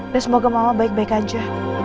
dan semoga mama baik baik aja